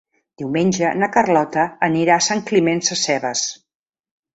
Diumenge na Carlota anirà a Sant Climent Sescebes.